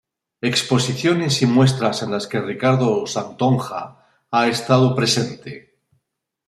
Exposiciones y muestras en las que Ricardo Santonja ha estado presente.